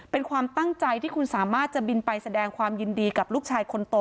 เป็นความตั้งใจที่คุณสามารถจะบินไปแสดงความยินดีกับลูกชายคนโต